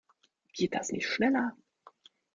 Geht das nicht schneller?